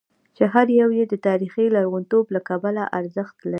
چې هر یو یې د تاریخي لرغونتوب له کبله ارزښت لري.